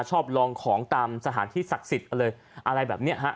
ชอบลองของตามสถานที่ศักดิ์สิทธิ์อะไรอะไรแบบเนี้ยฮะ